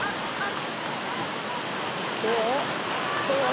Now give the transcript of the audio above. どう？